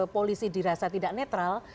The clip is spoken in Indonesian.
polisi dirasa tidak netral